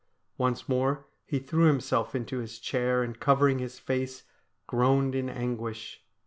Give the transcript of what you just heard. Once more he threw himself into his chair and covering his face groaned in anguish.